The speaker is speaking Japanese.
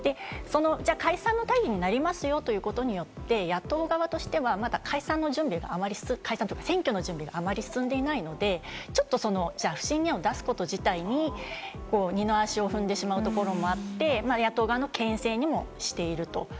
解散の大義になりますよということによって、野党側としては解散の準備が解散というか、選挙の準備があまり進んでいないので、不信任案を出すこと自体に二の足を踏んでしまうところもあって、野党側のけん制にもしている。